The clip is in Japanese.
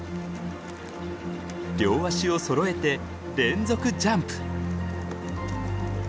両足をそろえて連続ジャンプ。